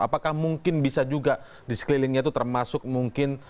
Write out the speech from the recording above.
apakah mungkin bisa juga di sekelilingnya itu termasuk mungkin